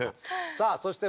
さあそして